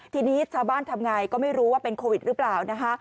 ทีนี้ชาวบ้านทำไงก็ไม่รู้ว่าเป็นโควิดหรือเปล่านะคะ